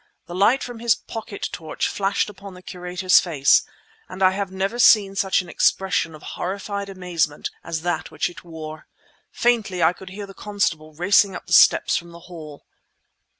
The light from his pocket torch flashed upon the curator's face; and I have never seen such an expression of horrified amazement as that which it wore. Faintly, I could hear the constable racing up the steps from the hall.